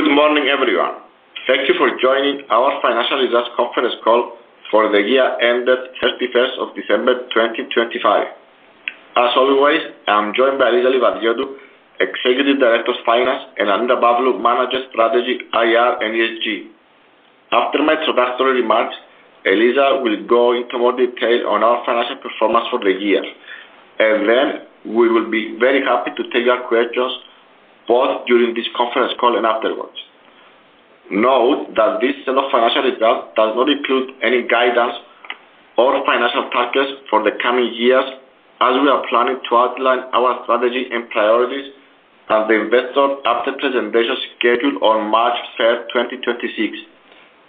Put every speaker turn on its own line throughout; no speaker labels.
Good morning, everyone. Thank you for joining our financial results conference call for the year ended 31 December 2025. As always, I'm joined by Eliza Livadiotou, Executive Director of Finance, and Annita Pavlou, Manager, Strategy, IR, and ESG. After my introductory remarks, Eliza will go into more detail on our financial performance for the year, and then we will be very happy to take your questions, both during this conference call and afterwards. Note that this set of financial results does not include any guidance or financial targets for the coming years, as we are planning to outline our strategy and priorities at the investor update presentation scheduled on March 3, 2026,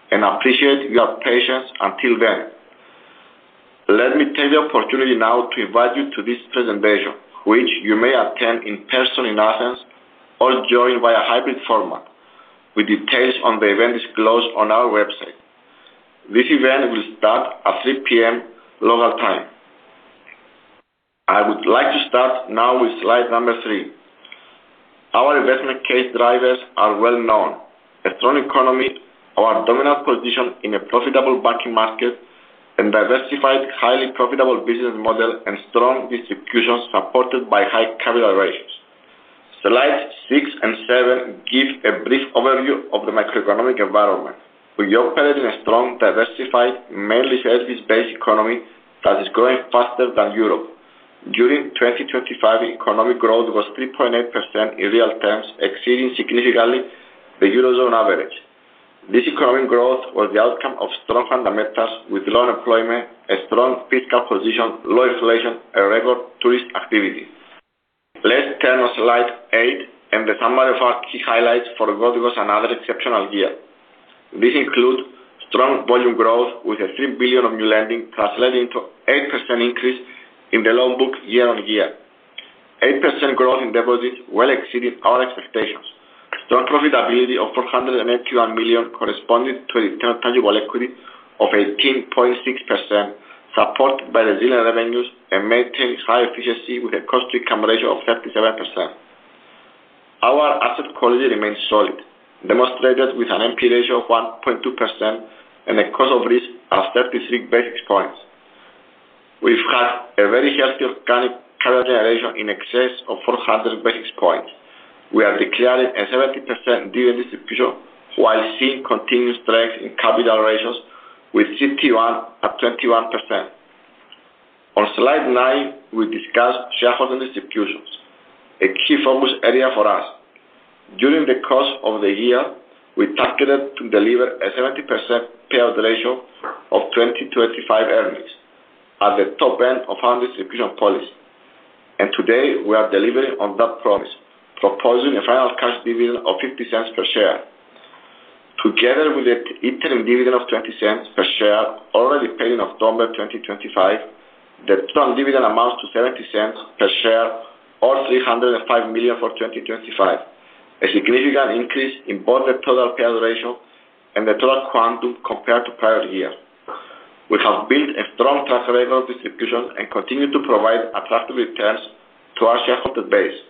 and appreciate your patience until then. Let me take the opportunity now to invite you to this presentation, which you may attend in person in Athens or join via a hybrid format, with details on the event disclosed on our website. This event will start at 3:00 P.M. local time. I would like to start now with slide number 3. Our investment case drivers are well known. A strong economy, our dominant position in a profitable banking market, and diversified, highly profitable business model, and strong distributions supported by high capital ratios. Slides 6 and 7 give a brief overview of the macroeconomic environment. We operate in a strong, diversified, mainly service-based economy that is growing faster than Europe. During 2025, economic growth was 3.8% in real terms, exceeding significantly the Eurozone average. This economic growth was the outcome of strong fundamentals, with low unemployment, a strong fiscal position, low inflation, and record tourist activity. Let's turn on slide 8, and the summary of our key highlights for FY 2023, another exceptional year. These include strong volume growth, with 3 billion of new lending, translating to 8% increase in the loan book year-on-year. 8% growth in deposits, well exceeding our expectations. Strong profitability of 481 million, corresponding to a return on tangible equity of 18.6%, supported by the NII revenues and maintains high efficiency, with a cost-to-income ratio of 37%. Our asset quality remains solid, demonstrated with an NPE ratio of 1.2% and a cost of risk of 33 basis points. We've had a very healthy organic credit generation in excess of 400 basis points. We have declared a 70% dividend distribution, while seeing continued strength in capital ratios with CET1 at 21%. On slide nine, we discuss shareholder distributions, a key focus area for us. During the course of the year, we targeted to deliver a 70% payout ratio of 2025 earnings at the top end of our distribution policy. Today, we are delivering on that promise, proposing a final cash dividend of 0.50 per share. Together with the interim dividend of 0.20 per share, already paid in October 2025, the strong dividend amounts to 0.70 per share, or 305 million for 2025, a significant increase in both the total payout ratio and the total quantum compared to prior year. We have built a strong track record of distribution and continue to provide attractive returns to our shareholder base.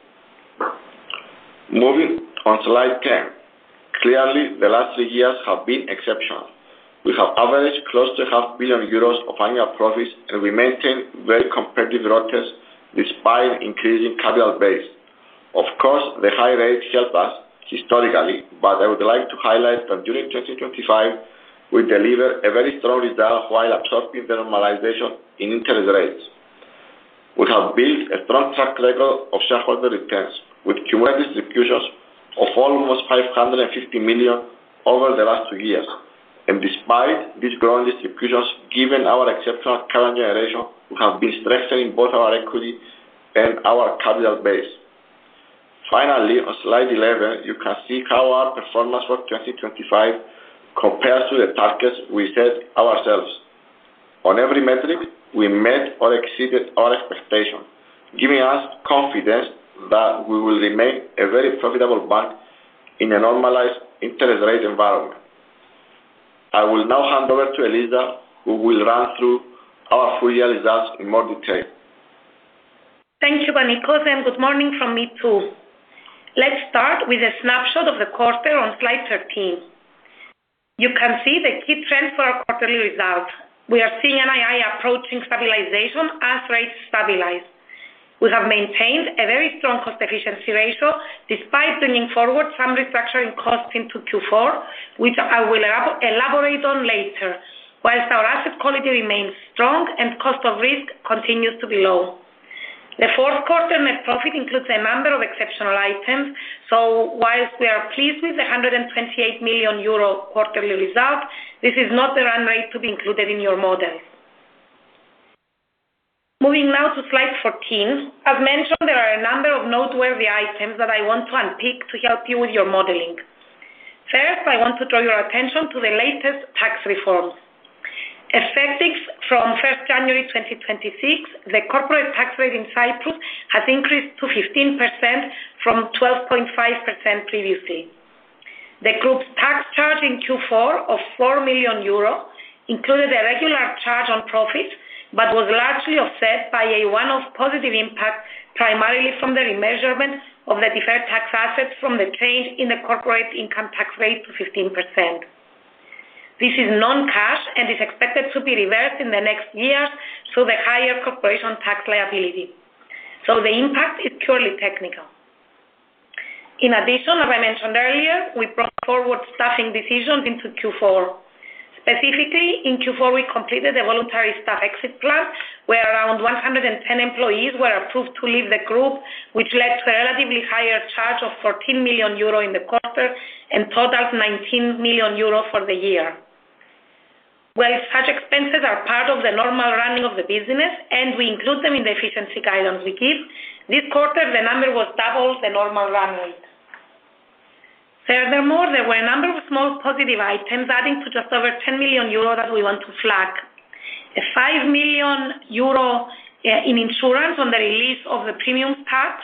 Moving on to slide 10. Clearly, the last three years have been exceptional. We have averaged close to 500 million euros of annual profits, and we maintain very competitive ROTEs despite increasing capital base. Of course, the high rates help us historically, but I would like to highlight that during 2025, we delivered a very strong result while absorbing the normalization in interest rates. We have built a strong track record of shareholder returns, with cumulative distributions of almost 550 million over the last two years. Despite these growing distributions, given our exceptional cash generation, we have been strengthening both our equity and our capital base. Finally, on slide 11, you can see how our performance for 2025 compares to the targets we set ourselves. On every metric, we met or exceeded our expectations, giving us confidence that we will remain a very profitable bank in a normalized interest rate environment. I will now hand over to Eliza, who will run through our full year results in more detail.
Thank you, Panicos, and good morning from me, too. Let's start with a snapshot of the quarter on slide 13. You can see the key trends for our quarterly results. We are seeing NII approaching stabilization as rates stabilize. We have maintained a very strong cost-efficiency ratio, despite bringing forward some restructuring costs into Q4, which I will elaborate on later. While our asset quality remains strong and cost of risk continues to be low. The Q4 net profit includes a number of exceptional items, so while we are pleased with the 128 million euro quarterly result, this is not the run rate to be included in your models. Moving now to slide 14. As mentioned, there are a number of noteworthy items that I want to unpick to help you with your modeling. First, I want to draw your attention to the latest tax reform. Effective from January 1, 2026, the corporate tax rate in Cyprus has increased to 15% from 12.5% previously. The group's tax in Q4 of 4 million euros included a regular charge on profit, but was largely offset by a one-off positive impact, primarily from the remeasurement of the deferred tax assets from the change in the corporate income tax rate to 15%. This is non-cash and is expected to be reversed in the next year, so the higher corporation tax liability, so the impact is purely technical. In addition, as I mentioned earlier, we brought forward staffing decisions into Q4. Specifically, in Q4, we completed the voluntary staff exit plan, where around 110 employees were approved to leave the group, which led to a relatively higher charge of 14 million euro in the quarter and total 19 million euro for the year. While such expenses are part of the normal running of the business, and we include them in the efficiency guidance we give, this quarter, the number was double the normal run rate. Furthermore, there were a number of small positive items adding to just over 10 million euro that we want to flag. A 5 million euro in insurance on the release of the premium tax,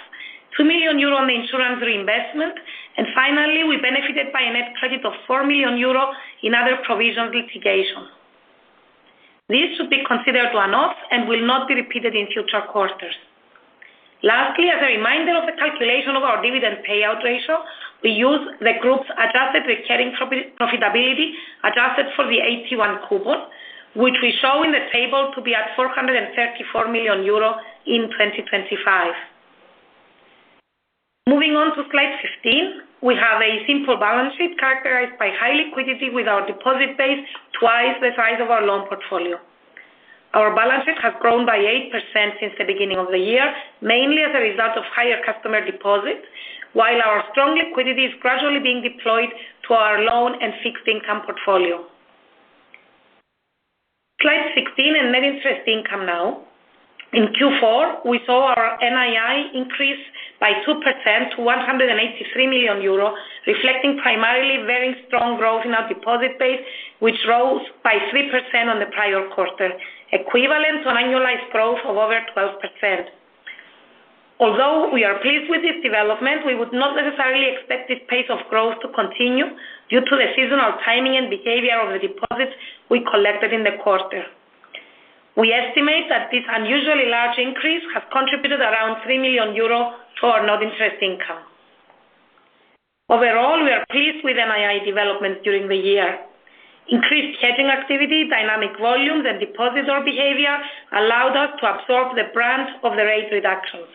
2 million euro on the insurance reinvestment, and finally, we benefited by a net credit of 4 million euro in other provision litigation. This should be considered one-off and will not be repeated in future quarters. Lastly, as a reminder of the calculation of our dividend payout ratio, we use the group's adjusted recurring profitability, adjusted for the AT1 coupon, which we show in the table to be at 434 million euro in 2025. Moving on to slide 15, we have a simple balance sheet characterized by high liquidity, with our deposit base twice the size of our loan portfolio. Our balance sheet has grown by 8% since the beginning of the year, mainly as a result of higher customer deposits, while our strong liquidity is gradually being deployed to our loan and fixed income portfolio. Slide 16 and net interest income now. In Q4, we saw our NII increase by 2% to 183 million euro, reflecting primarily very strong growth in our deposit base, which rose by 3% on the prior quarter, equivalent to an annualized growth of over 12%. Although we are pleased with this development, we would not necessarily expect this pace of growth to continue due to the seasonal timing and behavior of the deposits we collected in the quarter. We estimate that this unusually large increase has contributed around 3 million euros to our non-interest income. Overall, we are pleased with NII developments during the year. Increased hedging activity, dynamic volumes, and depositor behavior allowed us to absorb the brunt of the rate reductions.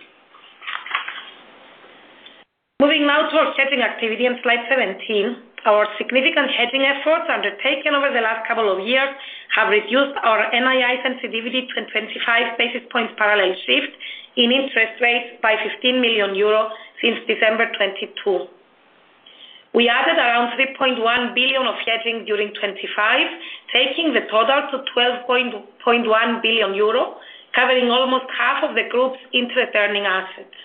Moving now to our hedging activity on slide 17. Our significant hedging efforts undertaken over the last couple of years have reduced our NII sensitivity to 25 basis points parallel shift in interest rates by 15 million euros since December 2022. We added around 3.1 billion of hedging during 2025, taking the total to 12.1 billion euro, covering almost half of the group's interest earning assets.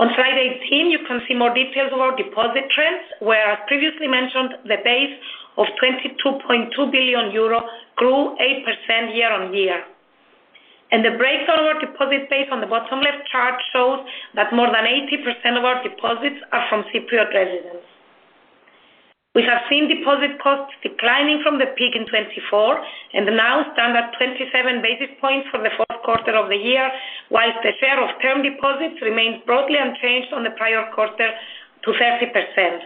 On slide 18, you can see more details of our deposit trends, where, as previously mentioned, the base of 22.2 billion euro grew 8% year-on-year. The breakdown of our deposit base on the bottom left chart shows that more than 80% of our deposits are from Cypriot residents. We have seen deposit costs declining from the peak in 2024 and now stand at 27 basis points for the Q4 of the year, while the share of term deposits remains broadly unchanged on the prior quarter to 30%.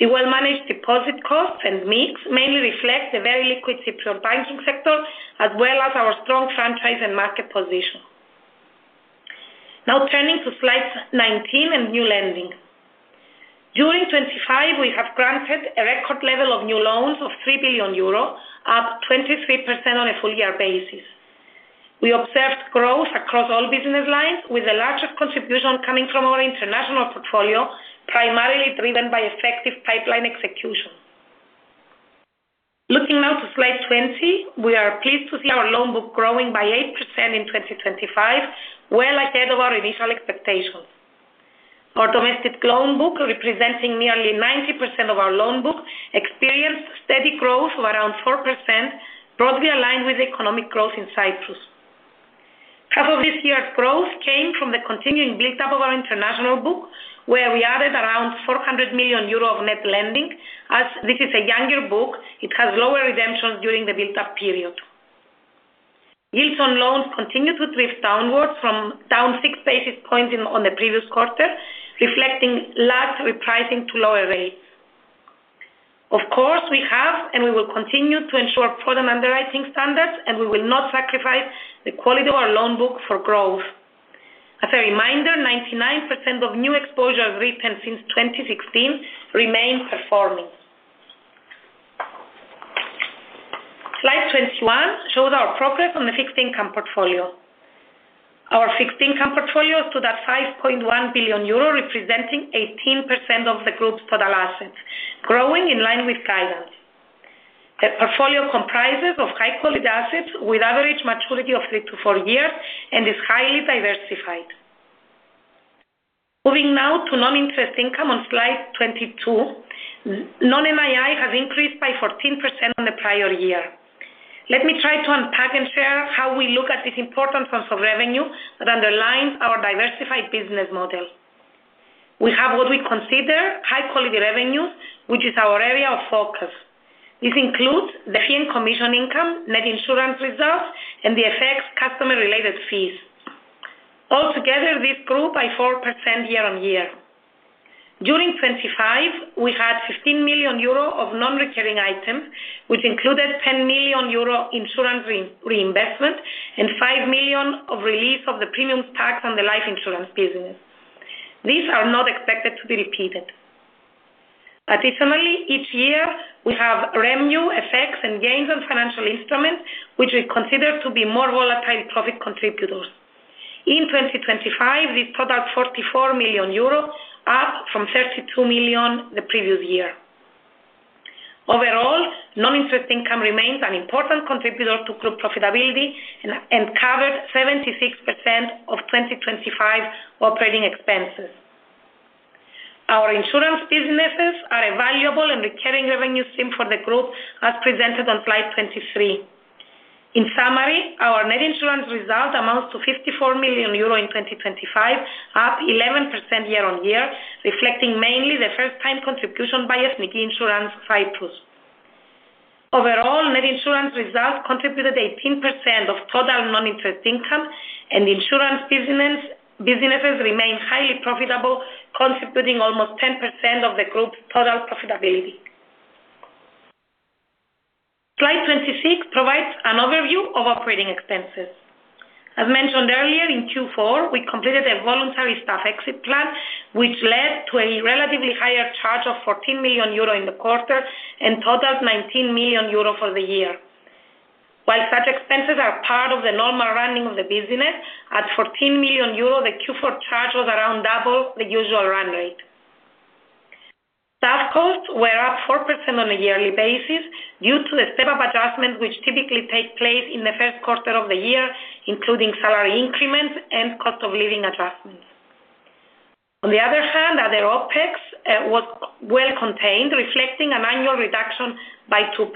The well-managed deposit costs and mix mainly reflect the very liquid Cypriot banking sector, as well as our strong franchise and market position. Now turning to slide 19 and new lending. During 2025, we have granted a record level of new loans of 3 billion euro, up 23% on a full year basis. We observed growth across all business lines, with the largest contribution coming from our international portfolio, primarily driven by effective pipeline execution. Looking now to slide 20, we are pleased to see our loan book growing by 8% in 2025, well ahead of our initial expectations. Our domestic loan book, representing nearly 90% of our loan book, experienced steady growth of around 4%, broadly aligned with economic growth in Cyprus. Half of this year's growth came from the continuing build up of our international book, where we added around 400 million euro of net lending. As this is a younger book, it has lower redemptions during the build-up period. Yields on loans continued to drift downwards from down 6 basis points on the previous quarter, reflecting large repricing to lower rates. Of course, we have and we will continue to ensure prudent underwriting standards, and we will not sacrifice the quality of our loan book for growth. As a reminder, 99% of new exposure written since 2016 remain performing. Slide 21 shows our progress on the fixed income portfolio. Our fixed income portfolio is to that 5.1 billion euro, representing 18% of the group's total assets, growing in line with guidance. The portfolio comprises of high-quality assets with average maturity of 3-4 years and is highly diversified. Moving now to non-interest income on slide 22. Non-NII has increased on the prior year. Let me try to unpack and share how we look at this important source of revenue that underlines our diversified business model. We have what we consider high-quality revenue, which is our area of focus. This includes the fee and commission income, net insurance results, and the FX customer related fees. Altogether, this grew by 4% year-on-year. During 2025, we had 15 million euro of non-recurring items, which included 10 million euro insurance reinvestment and 5 million of relief of the premium tax on the life insurance business. These are not expected to be repeated. Additionally, each year we have revenue FX and gains on financial instruments, which we consider to be more volatile profit contributors. In 2025, this product, 44 million euro, up from 32 million the previous year. Overall, non-interest income remains an important contributor to group profitability and covered 76% of 2025 operating expenses. Our insurance businesses are a valuable and recurring revenue stream for the group, as presented on slide 23. In summary, our net insurance result amounts to 54 million euro in 2025, up 11% year on year, reflecting mainly the first time contribution by Ethniki Insurance Cyprus. Overall, net insurance results contributed 18% of total non-interest income, and insurance business, businesses remain highly profitable, contributing almost 10% of the group's total profitability. Slide 26 provides an overview of operating expenses. As mentioned earlier, in Q4, we completed a voluntary staff exit plan, which led to a relatively higher charge of 14 million euro in the quarter and totaled 19 million euro for the year. While such expenses are part of the normal running of the business, at 14 million euro, the Q4 charge was around double the usual run rate. Staff costs were up 4% on a yearly basis due to the step-up adjustment, which typically takes place in the Q1 of the year, including salary increments and cost of living adjustments. On the other hand, other OpEx was well contained, reflecting an annual reduction by 2%.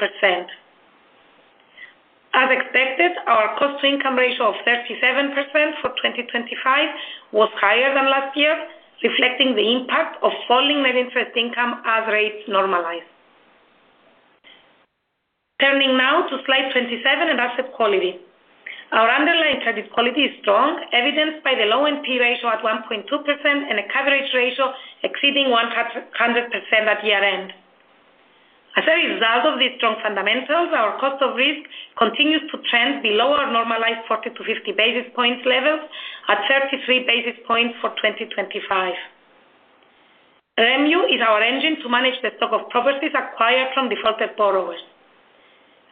As expected, our cost-to-income ratio of 37% for 2025 was higher than last year, reflecting the impact of falling net interest income as rates normalize. Turning now to slide 27 and asset quality. Our underlying credit quality is strong, evidenced by the low NPE ratio at 1.2% and a coverage ratio exceeding 100% at year-end. As a result of these strong fundamentals, our cost of risk continues to trend below our normalized 40-50 basis points levels at 33 basis points for 2025. REMU is our engine to manage the stock of properties acquired from defaulted borrowers.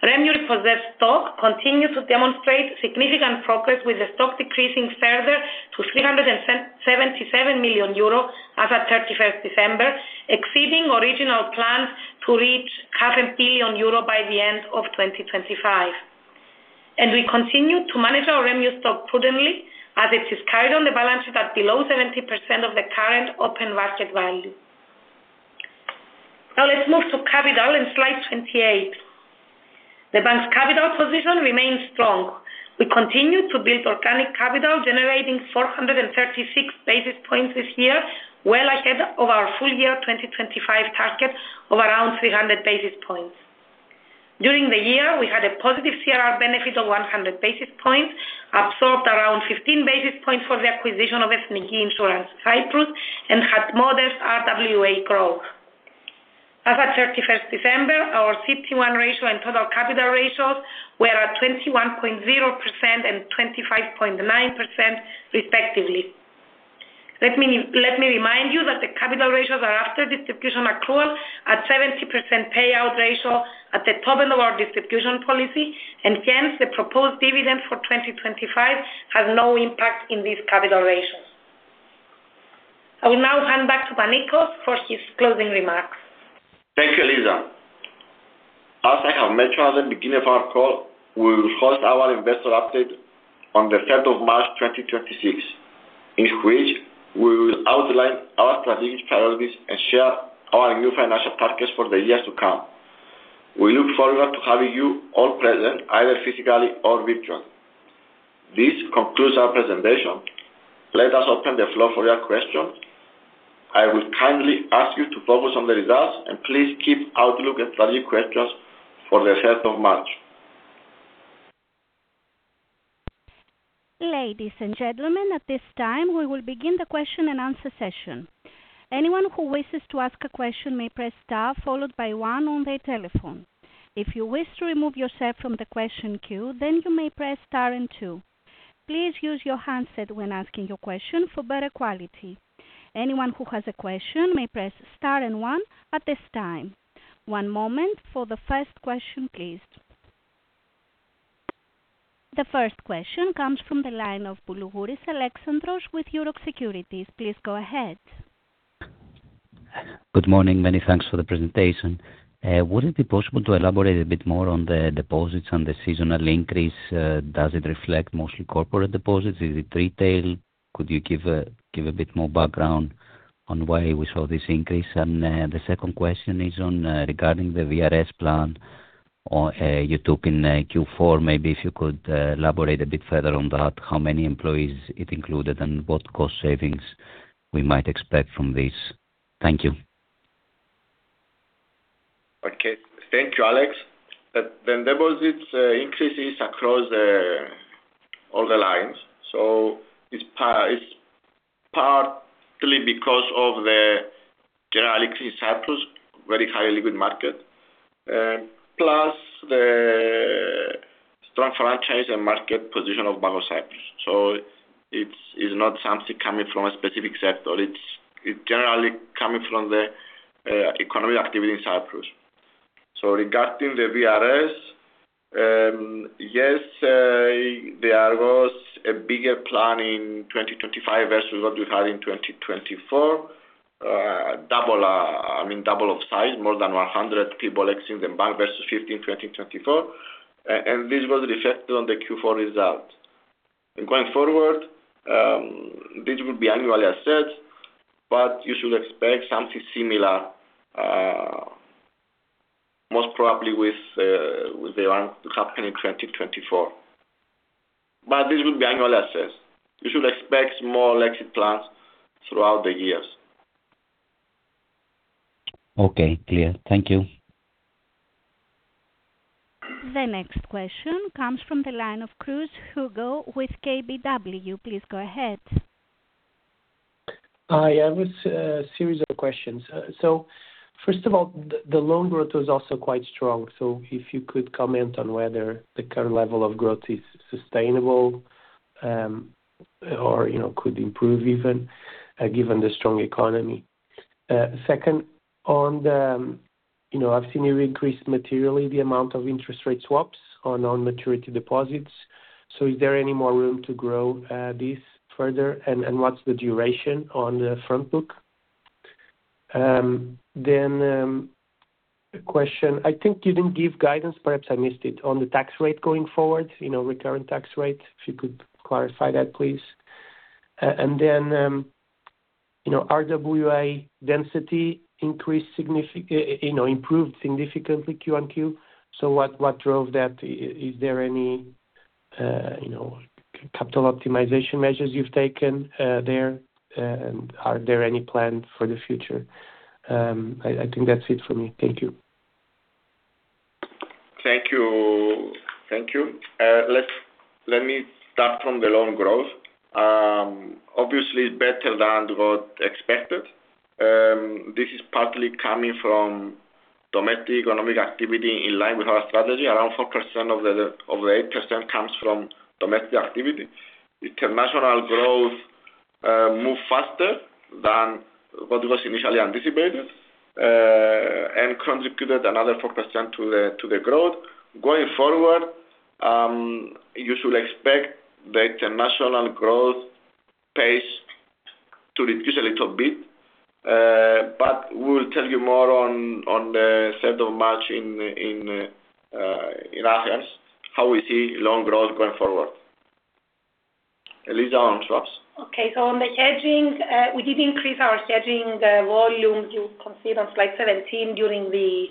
REMU repossessed stock continues to demonstrate significant progress, with the stock decreasing further to 377 million euro as at 31 December, exceeding original plans to reach 500 million euro by the end of 2025. We continue to manage our REMU stock prudently as it is carried on the balance sheet at below 70% of the current open market value. Now let's move to capital in slide 28. The bank's capital position remains strong. We continue to build organic capital, generating 436 basis points this year, well ahead of our full year 2025 target of around 300 basis points. During the year, we had a positive CRR benefit of 100 basis points, absorbed around 15 basis points for the acquisition of Ethniki Insurance Cyprus, and had modest RWA growth. As at 31 December, our CET1 ratio and total capital ratios were at 21.0% and 25.9% respectively. Let me remind you that the capital ratios are after distribution accrual at 70% payout ratio at the top of our distribution policy, and hence the proposed dividend for 2025 has no impact in these capital ratios. I will now hand back to Panicos for his closing remarks.
Thank you, Eliza. As I have mentioned at the beginning of our call, we will host our investor update on the third of March 2026, in which we will outline our strategic priorities and share our new financial targets for the years to come. We look forward to having you all present, either physically or virtually. This concludes our presentation. Let us open the floor for your questions. I will kindly ask you to focus on the results, and please keep outlook and strategy questions for the third of March.
Ladies and gentlemen, at this time, we will begin the question-and-answer session. Anyone who wishes to ask a question may press star, followed by one on their telephone. If you wish to remove yourself from the question queue, then you may press star and two. Please use your handset when asking your question for better quality. Anyone who has a question may press star and one at this time. One moment for the first question, please. The first question comes from the line of Boulougouris, Alexandros with Euroxx Securities. Please go ahead.
Good morning. Many thanks for the presentation. Would it be possible to elaborate a bit more on the deposits and the seasonal increase? Does it reflect mostly corporate deposits? Is it retail? Could you give a bit more background on why we saw this increase? And the second question is on regarding the VRS plan, or you took in Q4. Maybe if you could elaborate a bit further on that, how many employees it included, and what cost savings we might expect from this? Thank you.
Okay. Thank you, Alex. The deposits increases across all the lines. So it's partly because of the general increase in Cyprus, very highly liquid market, plus the strong franchise and market position of Bank of Cyprus. So it's not something coming from a specific sector, it's generally coming from the economic activity in Cyprus. So regarding the VRS, yes, there was a bigger plan in 2025 versus what we had in 2024. Double, I mean, double of size, more than 100 people exiting the bank versus 15, 2024. And this was reflected on the Q4 results. And going forward, this will be annually assessed, but you should expect something similar, most probably with the one happening in 2024. But this will be annual assets. You should expect more exit plans throughout the years.
Okay, clear. Thank you.
The next question comes from the line of Hugo Cruz with KBW. Please go ahead.
Hi, I have a series of questions. So first of all, the loan growth was also quite strong. So if you could comment on whether the current level of growth is sustainable, or, you know, could improve even, given the strong economy. Second, you know, I've seen you increase materially the amount of interest rate swaps on non-maturity deposits. So is there any more room to grow this further? And what's the duration on the front book? Then, a question, I think you didn't give guidance, perhaps I missed it, on the tax rate going forward, you know, recurrent tax rate, if you could clarify that, please. And then, you know, RWA density improved significantly Q-on-Q. So what drove that? Is there any, you know, capital optimization measures you've taken there? And are there any plans for the future? I think that's it for me. Thank you.
Thank you. Thank you. Let me start from the loan growth. Obviously, better than what expected. This is partly coming from domestic economic activity in line with our strategy. Around 4% of the 8% comes from domestic activity. International growth moved faster than what was initially anticipated and contributed another 4% to the growth. Going forward, you should expect the international growth pace to reduce a little bit, but we will tell you more on the third of March in Athens, how we see loan growth going forward. Eliza, on swaps.
Okay, so on the hedging, we did increase our hedging, the volume you can see on slide 17 during the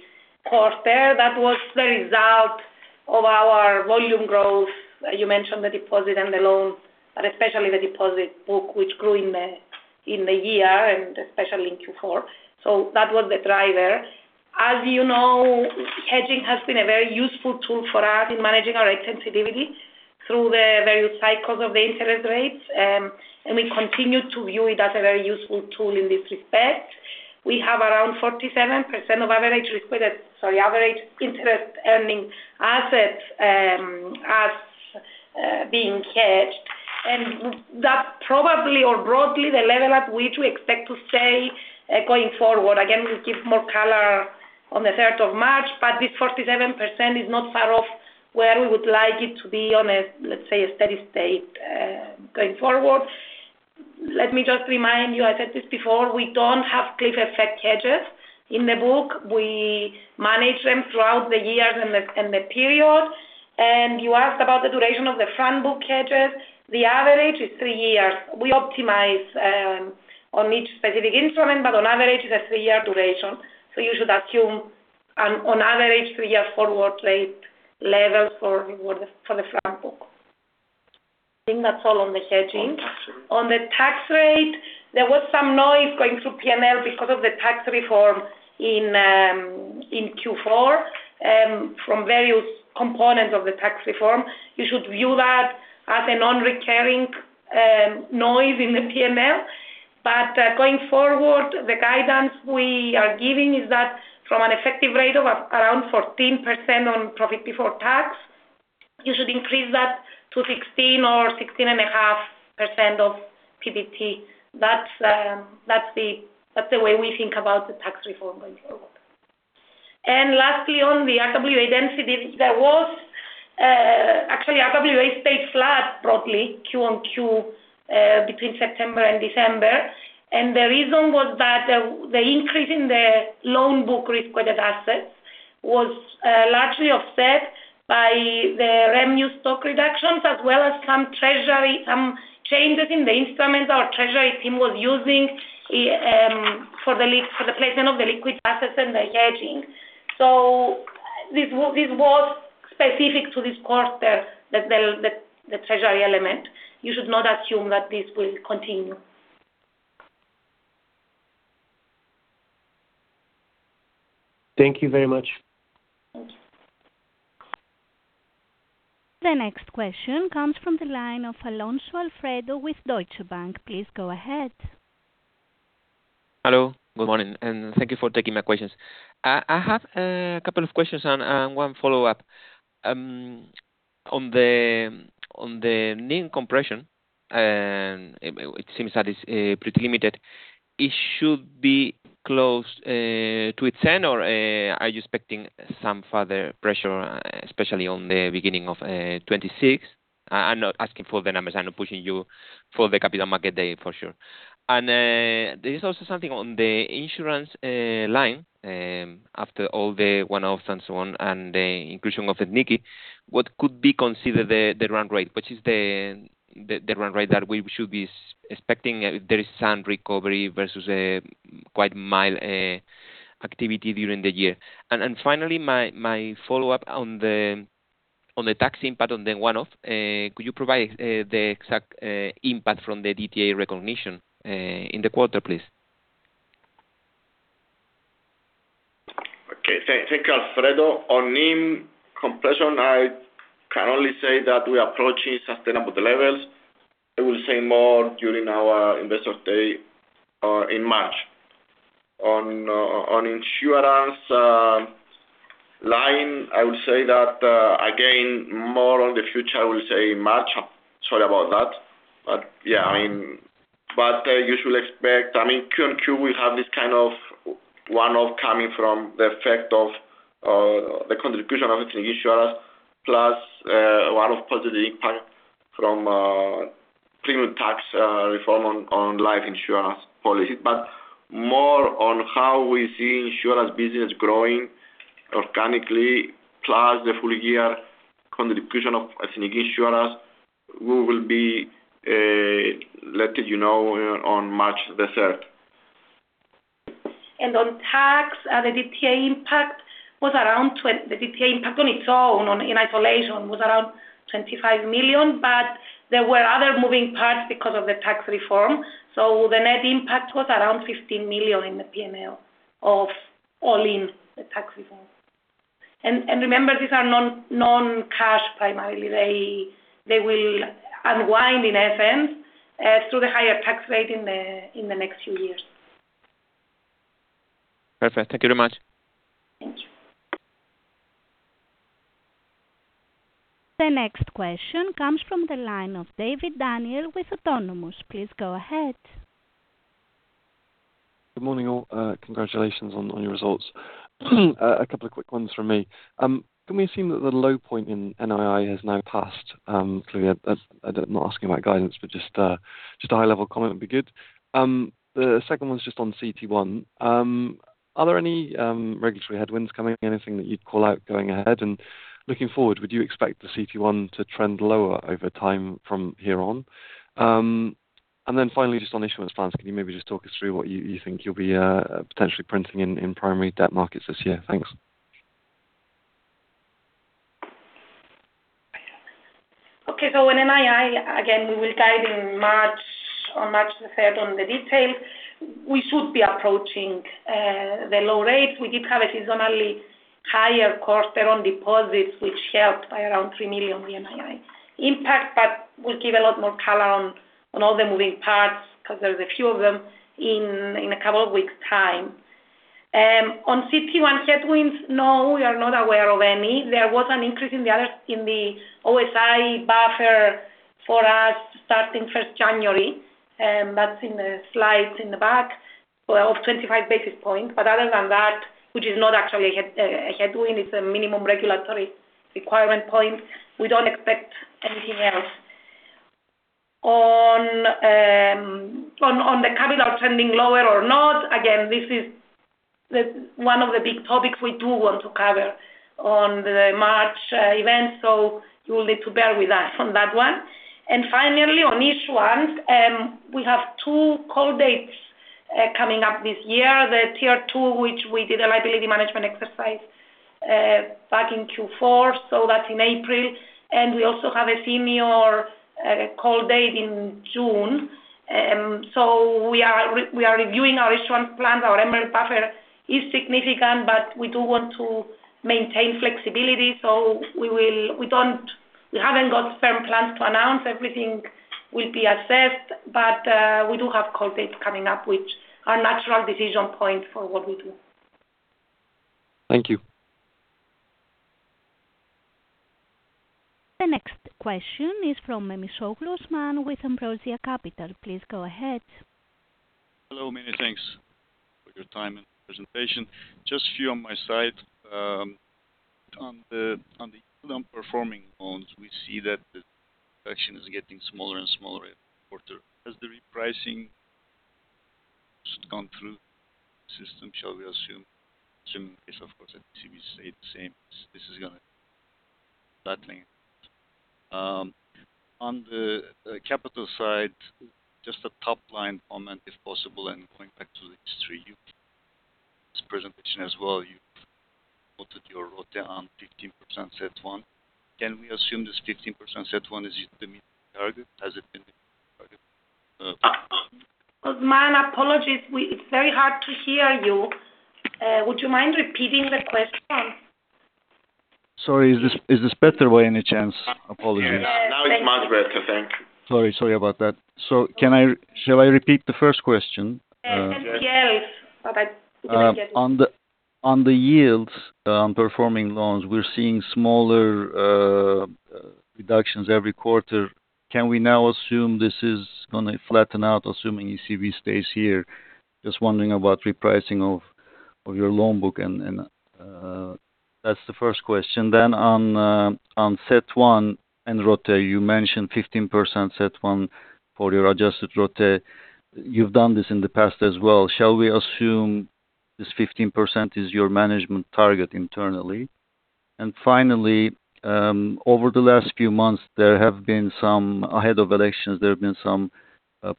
quarter. That was the result of our volume growth. You mentioned the deposit and the loan, but especially the deposit book, which grew in the, in the year and especially in Q4. So that was the driver. As you know, hedging has been a very useful tool for us in managing our sensitivity through the various cycles of the interest rates, and we continue to view it as a very useful tool in this respect. We have around 47% of average requested, sorry, average interest earning assets, as being hedged. That probably or broadly the level at which we expect to stay, going forward. Again, we'll give more color on the third of March, but this 47% is not far off where we would like it to be on a, let's say, a steady state, going forward. Let me just remind you, I said this before, we don't have cliff effect hedges in the book. We manage them throughout the years and the, and the period. And you asked about the duration of the front book hedges. The average is three years. We optimize on each specific instrument, but on average, it's a three-year duration. So you should assume on, on average, three-year forward rate levels for, for the front book. I think that's all on the hedging. On the tax rate, there was some noise going through P&L because of the tax reform in Q4 from various components of the tax reform. You should view that as a non-recurring noise in the P&L. But going forward, the guidance we are giving is that from an effective rate of around 14% on profit before tax, you should increase that to 16% or 16.5% of PBT. That's the way we think about the tax reform going forward. And lastly, on the RWA density, there was actually RWA stayed flat broadly Q on Q between September and December. And the reason was that the increase in the loan book risk-weighted assets was largely offset-... the revenue stock reductions, as well as some treasury, some changes in the instruments our treasury team was using, for the placement of the liquid assets and the hedging. So this was specific to this quarter, the treasury element. You should not assume that this will continue.
Thank you very much.
The next question comes from the line of Alfredo Alonso with Deutsche Bank. Please go ahead.
Hello, good morning, and thank you for taking my questions. I have a couple of questions and one follow-up. On the NIM compression, it seems that it's pretty limited, it should be close to its end, or are you expecting some further pressure, especially on the beginning of 2026? I'm not asking for the numbers, I'm not pushing you for the capital market day, for sure. There is also something on the insurance line, after all the one-offs and so on, and the inclusion of the Ethniki, what could be considered the run rate? Which is the run rate that we should be expecting if there is some recovery versus a quite mild activity during the year? Finally, my follow-up on the tax impact on the one-off, could you provide the exact impact from the DTA recognition in the quarter, please?
Okay. Thank you, Alfredo. On NIM compression, I can only say that we are approaching sustainable levels. I will say more during our Investor Day in March. On insurance line, I will say that again, more on the future, I will say March. Sorry about that. But yeah, I mean, but you should expect, I mean, Q and Q, we have this kind of one-off coming from the effect of the contribution of insurance, plus a lot of positive impact from premium tax reform on life insurance policy. But more on how we see insurance business growing organically, plus the full year contribution of insurance, we will be letting you know on March the third.
On tax, the DTA impact on its own, in isolation, was around 25 million, but there were other moving parts because of the tax reform. So the net impact was around 15 million in the P&L overall in the tax reform. And remember, these are non-cash primarily. They will unwind in FY through the higher tax rate in the next few years.
Perfect. Thank you very much.
Thank you.
The next question comes from the line of Daniel David with Autonomous. Please go ahead.
Good morning, all. Congratulations on your results. A couple of quick ones from me. Can we assume that the low point in NII has now passed? Clearly, I'm not asking about guidance, but just, just a high-level comment would be good. The second one is just on CET1. Are there any regulatory headwinds coming, anything that you'd call out going ahead? And looking forward, would you expect the CET1 to trend lower over time from here on? And then finally, just on issuance plans, can you maybe just talk us through what you think you'll be potentially printing in primary debt markets this year? Thanks.
Okay, in NII, again, we will guide in March, on March the third, on the details. We should be approaching the low rates. We did have a seasonally higher quarter on deposits, which helped by around 3 million NII impact, but we'll give a lot more color on all the moving parts, because there's a few of them, in a couple of weeks time. On CET1 headwinds, no, we are not aware of any. There was an increase in the other, in the O-SII buffer for us starting first January, that's in the slides in the back, of 25 basis points. Other than that, which is not actually a headwind, it's a minimum regulatory requirement point, we don't expect anything else. On the capital trending lower or not, again, this is one of the big topics we do want to cover on the March event, so you will need to bear with us on that one. Finally, on issuance, we have two call dates coming up this year, the Tier 2, which we did a liability management exercise back in Q4, so that's in April. We also have a senior call date in June. We are reviewing our issuance plans. Our MREL buffer is significant, but we do want to maintain flexibility, so we don't—we haven't got firm plans to announce. Everything will be assessed, but we do have call dates coming up, which are natural decision points for what we do.
Thank you.
The next question is from Osman Memisoglu with Ambrosia Capital. Please go ahead.
Hello, many thanks for your time and presentation. Just a few on my side. On the underperforming loans, we see that the action is getting smaller and smaller quarter. Has the repricing gone through system, shall we assume? Assume if, of course, if ECB stayed the same, this is going to badly. On the capital side, just a top line comment, if possible, and going back to the history, you this presentation as well, you quoted your ROTE on 15% CET1. Can we assume this 15% CET1 is the target? Has it been the target,
Osman, apologies. We, it's very hard to hear you. Would you mind repeating the question?
Sorry, is this better way, any chance? Apologies.
Yes. Now, it's much better, I think.
Sorry, sorry about that. Can I—shall I repeat the first question?
Yes, but I didn't get it.
On the yields, performing loans, we're seeing smaller reductions every quarter. Can we now assume this is going to flatten out, assuming ECB stays here? Just wondering about repricing of your loan book, and that's the first question. On CET1 and ROTE, you mentioned 15% CET1 for your adjusted ROTE. You've done this in the past as well. Shall we assume this 15% is your management target internally? Finally, over the last few months, there have been some... Ahead of elections, there have been some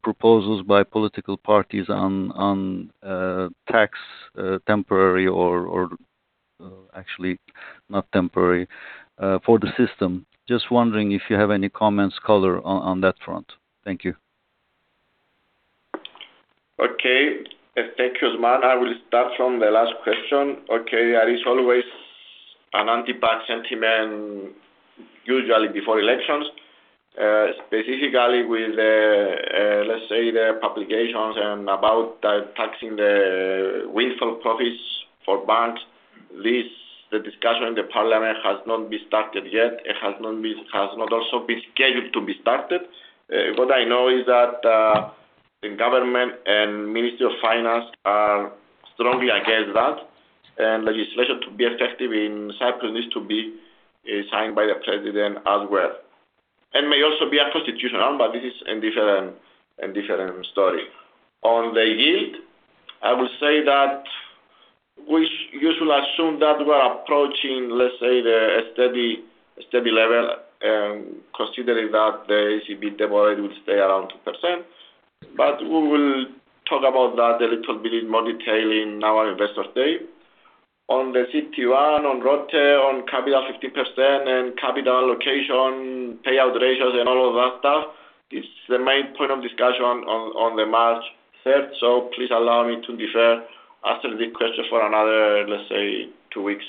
proposals by political parties on tax, temporary or actually not temporary, for the system. Just wondering if you have any comments, color, on that front. Thank you.
Okay, thank you, Osman. I will start from the last question. There is always an anti-bank sentiment, usually before elections, specifically with the, let's say, the publications and about taxing the windfall profits for banks. The discussion in the parliament has not been started yet. It has not been, has not also been scheduled to be started. What I know is that the government and Ministry of Finance are strongly against that, and legislation to be effective in Cyprus needs to be signed by the president as well. It may also be unconstitutional, but this is a different, a different story. On the yield, I would say that you should assume that we're approaching, let's say, the steady, steady level, considering that the ECB deposit will stay around 2%. But we will talk about that a little bit in more detail in our investor day. On the CET1, on ROTE, on capital 15%, and capital allocation, payout ratios, and all of that stuff, it's the main point of discussion on, on the March 3, so please allow me to defer answering the question for another, let's say, two weeks.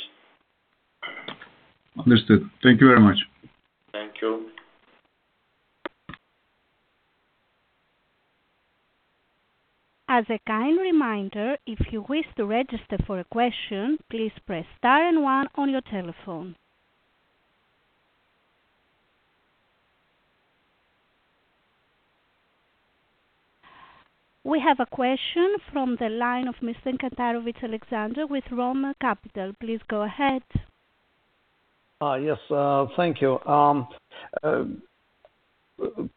Understood. Thank you very much.
Thank you.
As a kind reminder, if you wish to register for a question, please press star and one on your telephone. We have a question from the line of Mr. Alexander Kantarovich with Roma Capital. Please go ahead.
Yes, thank you.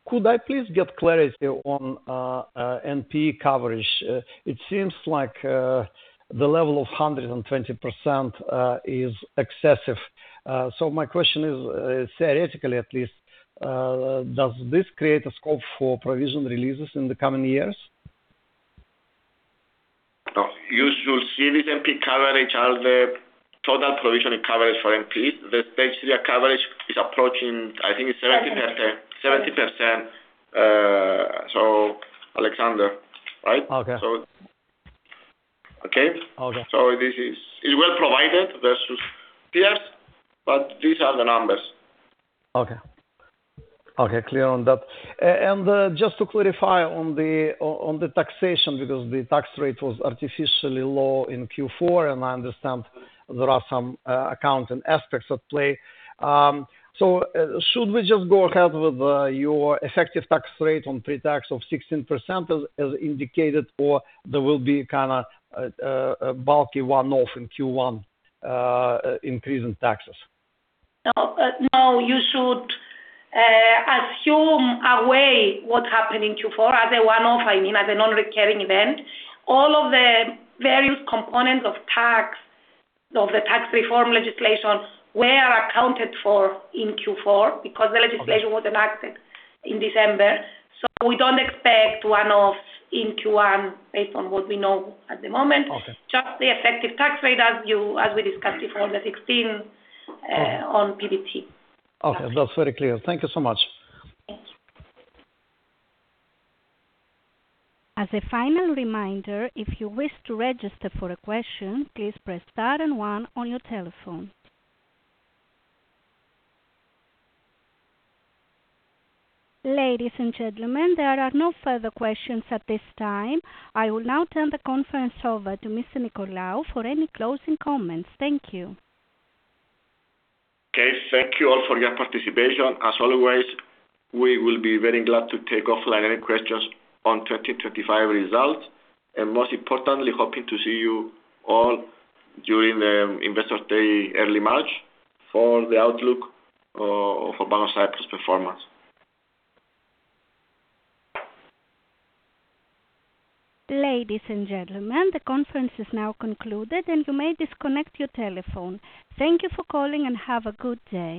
Could I please get clarity on NPE coverage? It seems like the level of 120% is excessive. So my question is, theoretically at least, does this create a scope for provision releases in the coming years?
No, you should see this NPE coverage as the total provision coverage for NPE. Basically, the coverage is approaching, I think it's 70%, 70%, so Alexander, right?
Okay.
So... Okay?
Okay.
So this is it, well provided versus peers, but these are the numbers.
Okay. Okay, clear on that. Just to clarify on the taxation, because the tax rate was artificially low in Q4, and I understand there are some accounts and aspects at play. Should we just go ahead with your effective tax rate on pre-tax of 16% as indicated, or there will be kind of a bulky one-off in Q1, increase in taxes?
No, you should assume away what happened in Q4 as a one-off, I mean, as a non-recurring event. All of the various components of tax, of the tax reform legislation were accounted for in Q4, because the legislation-
Okay.
- was enacted in December. So we don't expect one-offs in Q1 based on what we know at the moment. Okay. Just the effective tax rate, as you, as we discussed before, the 16 on PBT.
Okay, that's very clear. Thank you so much.
Thank you. As a final reminder, if you wish to register for a question, please press star and one on your telephone. Ladies and gentlemen, there are no further questions at this time. I will now turn the conference over to Mr. Nicolaou for any closing comments. Thank you.
Okay. Thank you all for your participation. As always, we will be very glad to take offline any questions on 2025 results, and most importantly, hoping to see you all during the investor day early March for the outlook, for Bank of Cyprus performance.
Ladies and gentlemen, the conference is now concluded, and you may disconnect your telephone. Thank you for calling, and have a good day.